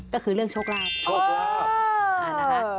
ก็คือเรื่องโชคลาภ